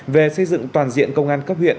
về xây dựng toàn diện công an cấp huyện